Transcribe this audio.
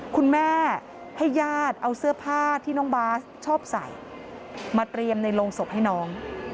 คุณแม่ให้ญาติเอาเสื้อผ้าที่น้องบาสชอบใส่มาเตรียมในโรงศพให้น้อง